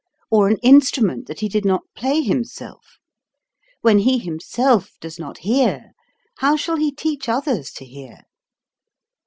or an instrument that he did not play himself ? When he himself does not hear, how shall he teach others to hear